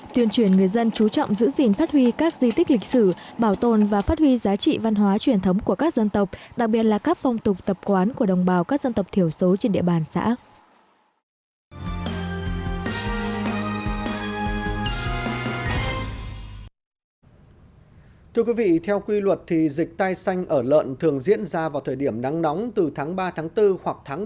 tuyên truyền người dân chú trọng giữ gìn phát huy các di tích lịch sử bảo tồn và phát huy giá trị văn hóa truyền thống của các dân tộc đặc biệt là các phong tục tập quán của đồng bào các dân tộc thiểu số trên địa bàn xã